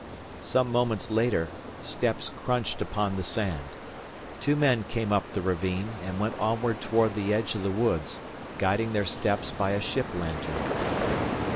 Some moments later, steps crunched upon the sand. Two men came up the ravine, and went onward toward the edge of the woods, guiding their steps by a ship lantern.